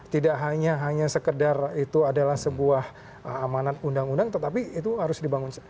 tidak hanya sekedar itu adalah sebuah amanat undang undang tetapi itu harus dibangun